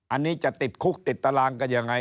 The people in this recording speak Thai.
อันนี้จะติดคุกติดตารางกันยังไง